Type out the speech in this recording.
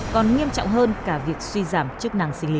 còn nghiêm trọng hơn cả việc suy giảm chức năng sinh lý